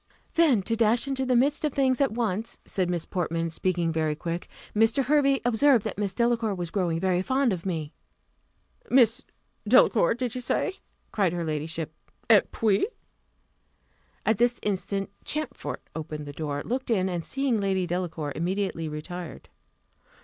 "Then to dash into the midst of things at once," said Miss Portman, speaking very quick: "Mr. Hervey observed that Miss Delacour was growing very fond of me." "Miss Delacour, did you say?" cried her ladyship: "Et puis?" At this instant Champfort opened the door, looked in, and seeing Lady Delacour, immediately retired.